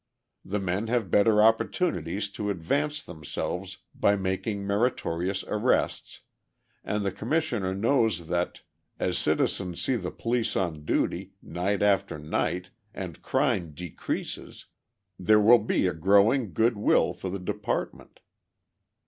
The men have better opportunities to advance themselves by making meritorious arrests, and the Commissioner knows that, as citizens see the police on duty, night after night, and crime decreases, there will be a growing good will for the department.